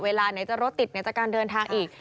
เวลาไหนจะรถติดไหนจากการเดินทางอีก